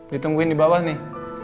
ditungguin di bawah nih